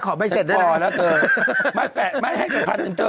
ขอไว้เศษได้ไหมโภนะเจอ